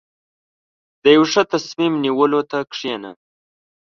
• د یو ښه تصمیم نیولو ته کښېنه.